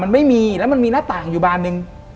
มันไม่มีแล้วมันมีหน้าต่างอยู่บานหนึ่ง